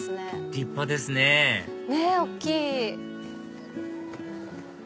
立派ですねねぇ大きい！